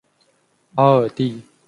阿尔蒂。